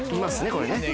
これね。